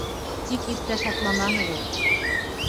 Тик иртә шатланаһығыҙ!